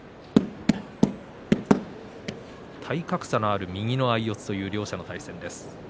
体格差のある右の相四つという両者の対戦です。